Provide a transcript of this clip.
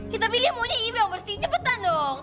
kita pilih maunya ibu yang bersihin cepetan dong